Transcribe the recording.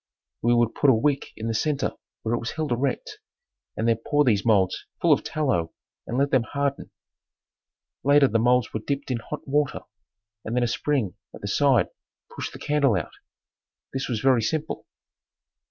We would put a wick in the center where it was held erect and then pour these molds full of tallow and let them harden. Later the molds were dipped in hot water and then a spring at the side, pushed the candle out. This was very simple.